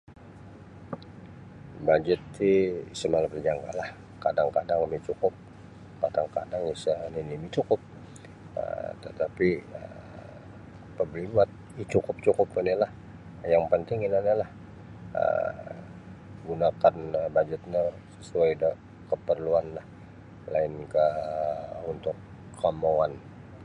Bajet ti isa malap da jangka lah kadang-kadang micukup kadang -kadang isa nini micukup um tetapi um apa buli buat icukup-cukup oni lah yang penting ino ni' lah um gunakan bajet no sesuai da keperluanlah lainkah untuk kemahuan.